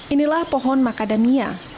inilah pohon macadamia